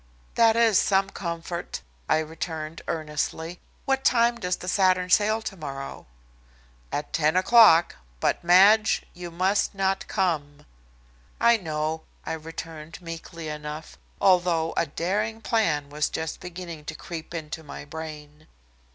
"That is some comfort," I returned earnestly. "What time does the Saturn sail tomorrow?" "At 10 o'clock. But, Madge, you must not come." "I know," I returned meekly enough, although a daring plan was just beginning to creep into my brain.